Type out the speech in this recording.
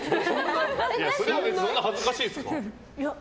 それそんな恥ずかしいですか？